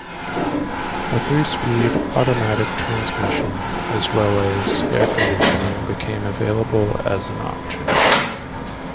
A three-speed automatic transmission as well as air conditioning became available as an option.